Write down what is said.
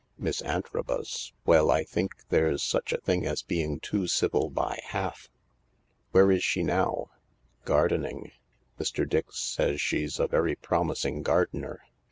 Miss Antrobus ... well, I think there's such a thing as being too civil by half. Where is she now ?" "Gardening. Mr. Dix says she's a very promising gardener."